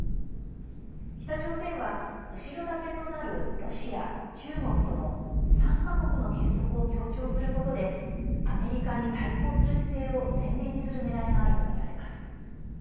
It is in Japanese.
北朝鮮は後ろ盾となるロシア、中国との３か国の結束を強調することでアメリカに対抗する姿勢を鮮明にするねらいがあるとみられます。